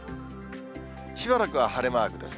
しばらくは晴れマークですね。